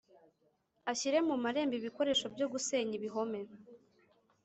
ashyire mu marembo ibikoresho byo gusenya ibihome